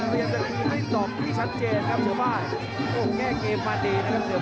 พยายามจะไม่ตอบที่ชัดเจนครับเถพาะโอ้วแก้เกมพาร์ดดีนะครับเถพาะ